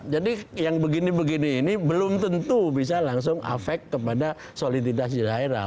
jadi yang begini begini ini belum tentu bisa langsung affect kepada soliditas di daerah